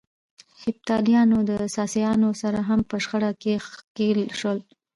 هېپتاليان د ساسانيانو سره هم په شخړه کې ښکېل شول.